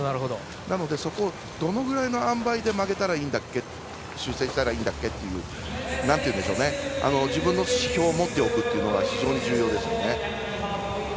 なので、そこをどのくらいのあんばいで曲げたらいいんだっけ修正したらいいんだっけという自分の指標を持っておくのが非常に重要ですね。